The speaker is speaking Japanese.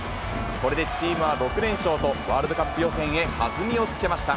これでチームは６連勝と、ワールドカップ予選へ弾みをつけました。